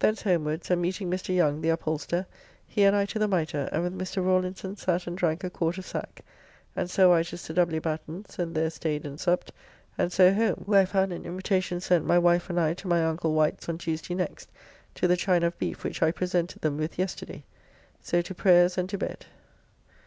Thence homewards, and meeting Mr. Yong, the upholster, he and I to the Mitre, and with Mr. Rawlinson sat and drank a quart of sack, and so I to Sir W. Batten's and there staid and supped, and so home, where I found an invitation sent my wife and I to my uncle Wight's on Tuesday next to the chine of beef which I presented them with yesterday. So to prayers and to bed.